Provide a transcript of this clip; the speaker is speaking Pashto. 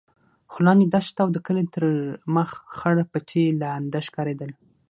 خو لاندې دښته او د کلي تر مخ خړ پټي لانده ښکارېدل.